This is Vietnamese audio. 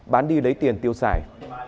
bán đi lấy tiền tiêu xài